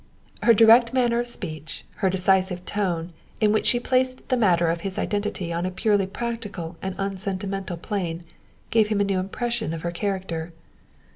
Her direct manner of speech, her decisive tone, in which she placed the matter of his identity on a purely practical and unsentimental plane, gave him a new impression of her character.